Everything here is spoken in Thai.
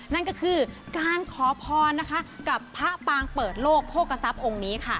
นั่นก็คือการขอพรนะคะกับพระปางเปิดโลกโภกษัพย์องค์นี้ค่ะ